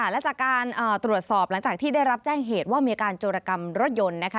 และจากการตรวจสอบหลังจากที่ได้รับแจ้งเหตุว่ามีอาการโจรกรรมรถยนต์นะคะ